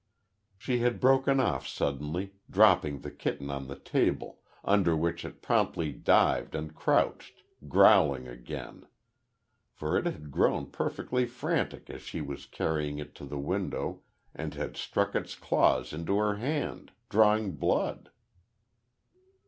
She had broken off suddenly, dropping the kitten on to the table, under which it promptly dived and crouched, growling again. For it had grown perfectly frantic as she was carrying it to the window and had struck its claws into her hand, drawing blood.